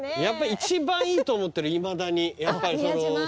やっぱり一番いいと思ってるいまだに宮島？